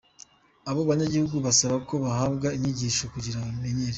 Abo banyagihugu basaba ko bohabwa inyigisho kugira babimenyere.